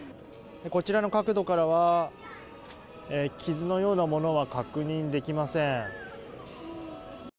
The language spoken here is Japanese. こちらの角度からは傷のようなものは確認できません。